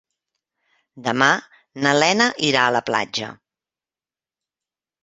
Demà na Lena irà a la platja.